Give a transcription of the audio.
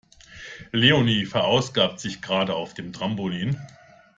Leonie verausgabt sich gerade auf dem Trampolin.